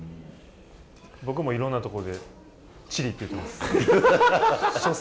僕もいろんなところでチリって言ってます。